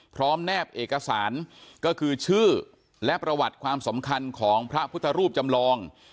แนบเอกสารก็คือชื่อและประวัติความสำคัญของพระพุทธรูปจำลอง